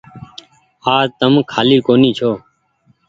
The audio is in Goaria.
آج تم ڪآلي ڪونيٚ ڇو ۔